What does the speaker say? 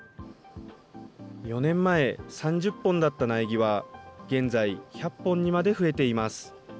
４年前、３０本だった苗木は、現在１００本にまで増えています。